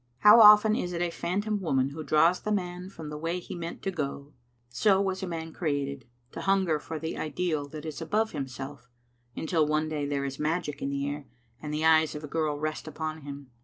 How often is it a phanton woman who draws the man from the way he meant to go? So was man created, to hunger for the ideal that is above himself, until one day there is magic in the air, and the eyes of a girl rest upon him.